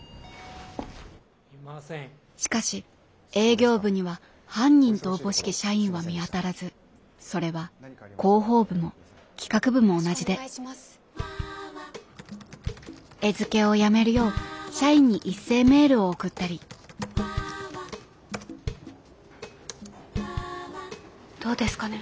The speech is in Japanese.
しかし営業部には犯人とおぼしき社員は見当たらずそれは広報部も企画部も同じで餌付けをやめるよう社員に一斉メールを送ったりどうですかね？